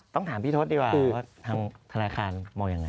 ต้องถามพี่ทศดีกว่าทางธนาคารมองอย่างไร